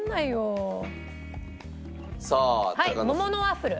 桃のワッフル。